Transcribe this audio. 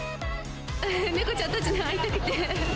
猫ちゃんたちに会いたくて。